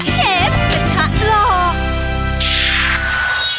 เชฟกระทะหลอก